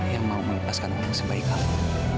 yang mau melepaskan orang sebaik apa